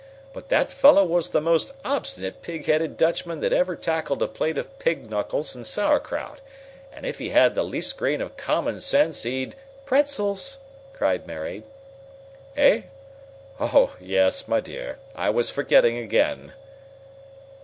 "But that fellow was the most obstinate, pig headed Dutchman that ever tackled a plate of pig's knuckles and sauerkraut, and if he had the least grain of common sense he'd " "Pretzels!" cried Mary. "Eh? Oh, yes, my dear. I was forgetting again."